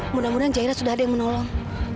mudah mudahan jaira sudah ada yang menolong